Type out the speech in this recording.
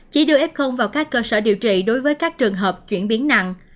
chỉ đưa f vào các cơ sở điều trị đối với các trường hợp chuyển biến nặng